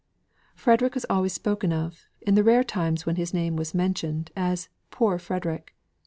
Frederick was always spoken of, in the rare times when his name was mentioned, as "Poor Frederick."